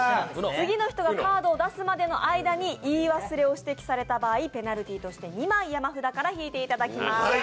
次の人がカードを出すまでの間に言い忘れを指摘された場合、ペナルティとして２枚、山札から引いていただきます。